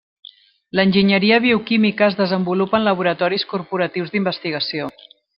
L'enginyeria bioquímica es desenvolupa en laboratoris corporatius d'investigació.